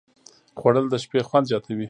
خوړل د شپې خوند زیاتوي